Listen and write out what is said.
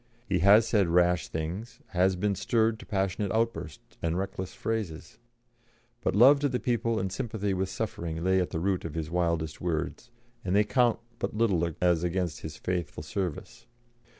He has said rash things, has been stirred to passionate outbursts and reckless phrases, but love to the people and sympathy with suffering lay at the root of his wildest words, and they count but little as against his faithful service.